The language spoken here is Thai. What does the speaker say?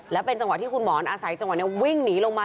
และเป็นจังหวะที่คุณหมอนอาศัยจังหวะนี้วิ่งหนีลงมา